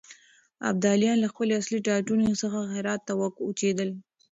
ابداليان له خپل اصلي ټاټوبي څخه هرات ته وکوچېدل.